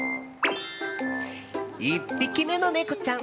１匹目のネコちゃん